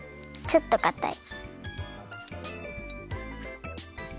ちょっとかたい。